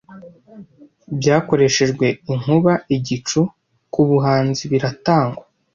Byakoreshejwe inkuba-igicu, kubuhanzi biratangwa,